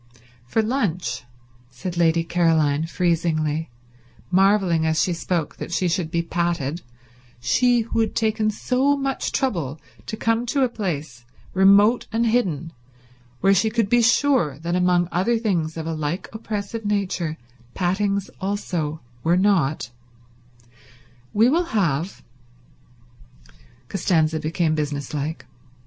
"For lunch," said Lady Caroline freezingly, marveling as she spoke that she should be patted, she who had taken so much trouble to come to a place, remote and hidden, where she could be sure that among other things of a like oppressive nature pattings also were not, "we will have—" Costanza became business like.